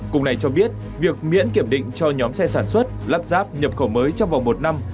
cùng này cho biết việc miễn kiểm định cho nhóm xe sản xuất lắp ráp nhập khẩu mới trong vòng một năm